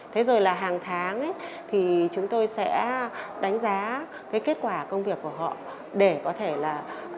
thế rồi là hàng tháng thì chúng tôi sẽ đánh giá cái kết quả công việc của họ để có thể là